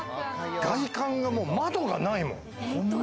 外観が窓がないもん。